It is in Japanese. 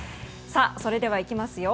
それではいきますよ。